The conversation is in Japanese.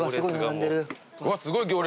すごい。